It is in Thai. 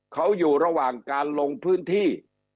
เขาอยู่ระหว่างการลงพื้นที่